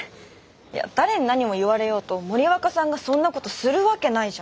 いや誰に何を言われようと森若さんがそんなことするわけないじゃん。